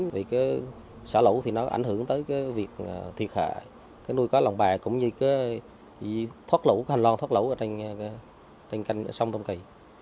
vì xả lũ thì nó ảnh hưởng tới việc thiệt hại nuôi cá lồng bè cũng như hành loạn thoát lũ trên sông tam kỳ